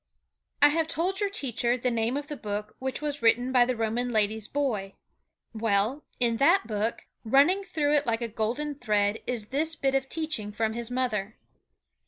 I have told your teacher the name of the book which was written by the Roman lady's boy. Well, in that book, running through it like a golden thread, is this bit of teaching from his mother.